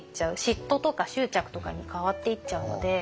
嫉妬とか執着とかに変わっていっちゃうので。